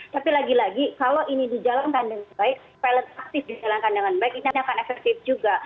tapi lagi lagi kalau ini dijalankan dengan baik pilot aktif dijalankan dengan baik ini akan efektif juga